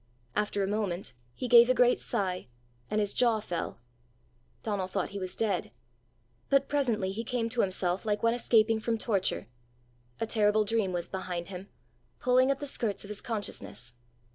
After a moment he gave a great sigh, and his jaw fell. Donal thought he was dead. But presently he came to himself like one escaping from torture: a terrible dream was behind him, pulling at the skirts of his consciousness.